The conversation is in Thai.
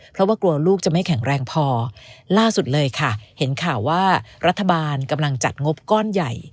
เพราะว่ากลัวลูกจะไม่แข็งแรงพอล่าสุดเลยค่ะเห็นข่าวว่ารัฐบาลกำลังจัดงบก้อนใหญ่